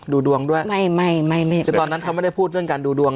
ดูดวงด้วยไม่ไม่ไม่คือตอนนั้นเขาไม่ได้พูดเรื่องการดูดวง